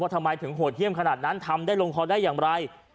ทำไมถึงโหดเยี่ยมขนาดนั้นทำได้ลงคอได้อย่างไร